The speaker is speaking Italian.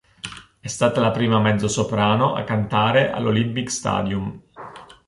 È stata la prima mezzosoprano a cantare all'Olympic Stadium.